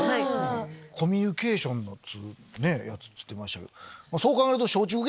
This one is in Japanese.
コミュニケーションのやつって言ってましたけどそう考えると。